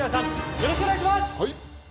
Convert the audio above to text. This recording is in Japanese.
よろしくお願いします。